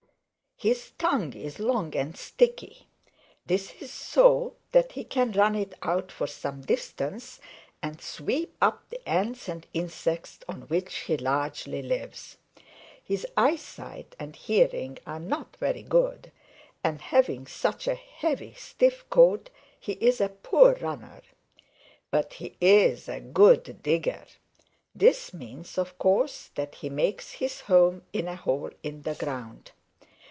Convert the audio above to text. "His tongue is long and sticky. This is so that he can run it out for some distance and sweep up the Ants and insects on which he largely lives. His eyesight and hearing are not very good, and having such a heavy, stiff coat he is a poor runner. But he is a good digger. This means, of course, that he makes his home in a hole in the ground.